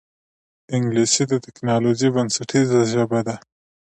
انګلیسي د ټکنالوجۍ بنسټیزه ژبه ده